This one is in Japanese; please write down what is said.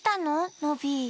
ノビー。